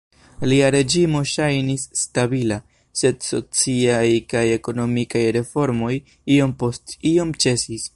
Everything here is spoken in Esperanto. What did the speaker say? Lia reĝimo ŝajnis "stabila", sed sociaj kaj ekonomikaj reformoj iom post iom ĉesis.